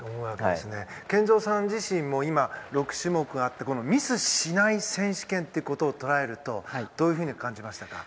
健三さん自身も今、６種目あってミスしない選手権と捉えると、どういうふうに感じましたか？